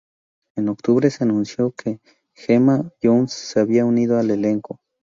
En octubre se anunció que Gemma Jones se había unido al elenco.